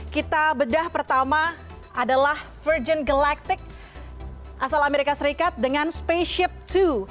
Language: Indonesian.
kita bedah pertama adalah virgin collectic asal amerika serikat dengan spaceship dua